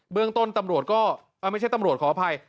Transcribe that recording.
เรื่องต้นตำรวจก็ไม่ใช่ตำรวจขออภัย